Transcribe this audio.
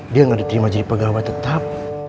dia tidak diterima jadi pegawai tetap